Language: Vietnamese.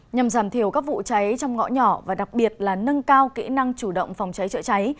nhằm giảm thiểu các vụ cháy trong ngõ nhỏ và đặc biệt là nâng cao kỹ năng chủ động phòng cháy chữa cháy